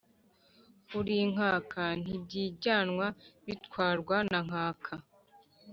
Uri inkaka ntibyijyanwa ,bitwarwa na nkaka